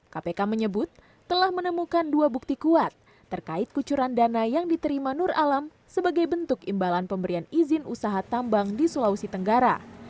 kpk menyebut telah menemukan dua bukti kuat terkait kucuran dana yang diterima nur alam sebagai bentuk imbalan pemberian izin usaha tambang di sulawesi tenggara